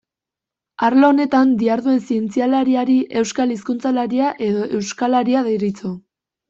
Arlo honetan diharduen zientzialariari euskal hizkuntzalaria edo euskalaria deritzo.